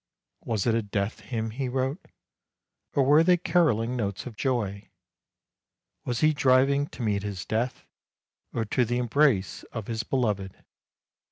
Was it a death hymn he wrote? or were they carolling notes of joy? Was he driving to meet his death, or to the embrace of his beloved